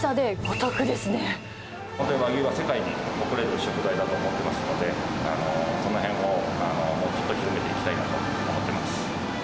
和牛は世界に誇れる食材だと思っていますので、そのへんをもうちょっと広めていきたいと思ってます。